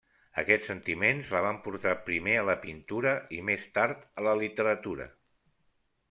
Aquests sentiments la van portar primer a la pintura i més tard a la literatura.